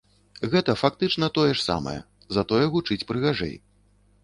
Гэта фактычна тое ж самае, затое гучыць прыгажэй.